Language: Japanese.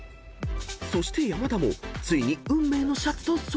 ［そして山田もついに運命のシャツと遭遇］